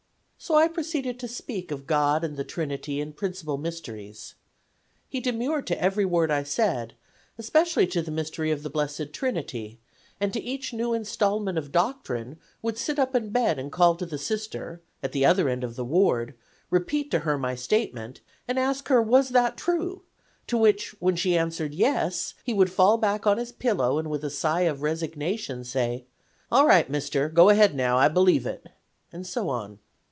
"So I proceeded to speak of God and the Trinity and principal mysteries. He demurred to every word I said, especially to the mystery of the Blessed Trinity, and to each new installment of doctrine would sit up in bed and call to the Sister (at the other end of the Ward), repeat to her my statement, and ask her was that true, to which when she answered 'yes' he would fall back on his pillow and with a sigh of resignation say: 'All right, Mister, go ahead now, I believe it,' and so on.